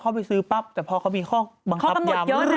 พอเข้าไปซื้อปั๊บแต่พอเขามีข้อกำหนดย้อน